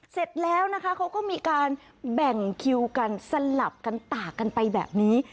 เสร็จแล้วนะคะเขาก็มีการแบ่งคิวกันสลับกันตากกันไปแบบนี้